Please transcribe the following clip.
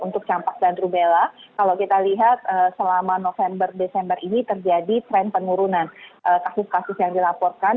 untuk campak dan rubella kalau kita lihat selama november desember ini terjadi tren penurunan kasus kasus yang dilaporkan